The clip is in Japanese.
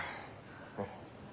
うん。